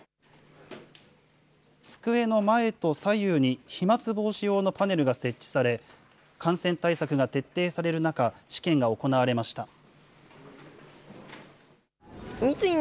机の前と左右に飛まつ防止用のパネルが設置され、感染対策が徹底される中、試験が行われました。